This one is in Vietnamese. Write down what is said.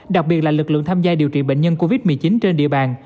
đặc biệt là lực lượng tham gia điều trị bệnh nhân covid một mươi chín trên địa bàn